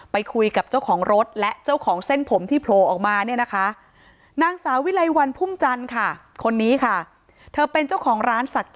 ไปคุยกับเจ้าของรถและเจ้าของเส้นผมที่โผล่ออกมาเนี่ยนะคะ